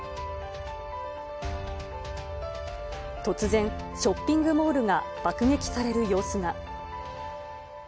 突然、ショッピングモールが爆撃される様子が。